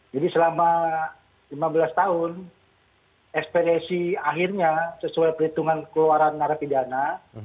jadi selama lima belas tahun ekspedisi akhirnya sesuai perhitungan keluaran narapidana